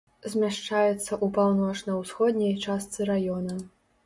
Змяшчаецца ў паўночна-ўсходняй частцы раёна.